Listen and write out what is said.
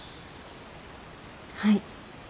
はい。